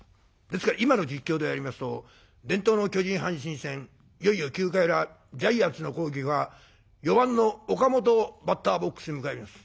ですから今の実況でやりますと「伝統の巨人・阪神戦いよいよ９回裏ジャイアンツの攻撃は４番の岡本バッターボックスに向かいます。